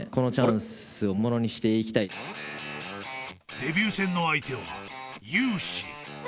［デビュー戦の相手は］